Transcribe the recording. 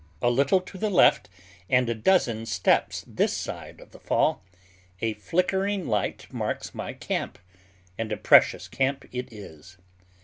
A little to the left, and a dozen steps this side of the fall, a flickering light marks my camp—and a precious camp it is.